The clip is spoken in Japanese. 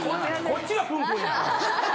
こっちがプンプンや。